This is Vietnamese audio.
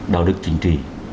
đạo đức chính trị